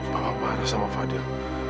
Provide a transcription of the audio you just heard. papa marah sama fadil